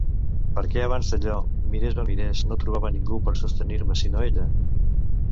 Perquè abans d'allò, mirés on mirés, no trobava ningú per sostenir-me sinó ella.